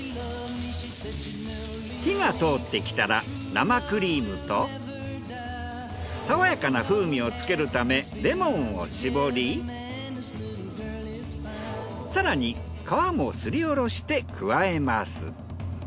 火が通ってきたら生クリームと爽やかな風味をつけるためレモンを搾り更に皮もすりおろして加えます。